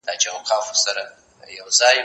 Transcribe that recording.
دا تمرين له هغه ګټور دي!!